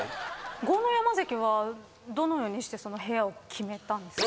豪ノ山関はどのようにして部屋を決めたんですか？